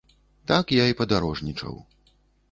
Так я і падарожнічаў.